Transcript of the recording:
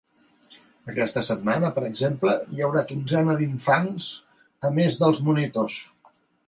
Aquesta setmana, per exemple, hi ha una quinzena d’infants, a més dels monitors.